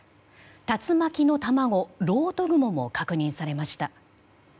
竜巻の卵、ろうと雲も確認されました。